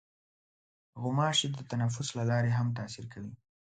غوماشې د تنفس له لارې هم تاثیر کوي.